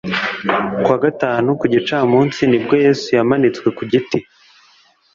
ku wa gatanu ku gicamunsi ni bwo yesu yamanitswe ku giti cye